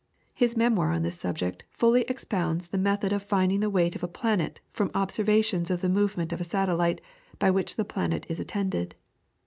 His memoir on this subject fully ex pounds the method of finding the weight of a planet from observations of the movements of a satellite by which the planet is attended.